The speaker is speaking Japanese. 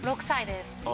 ６歳です。